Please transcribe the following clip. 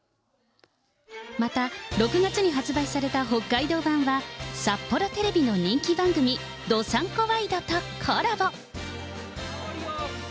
また、６月に発売された北海道版は、札幌テレビの人気番組、どさんこワイドとコラボ。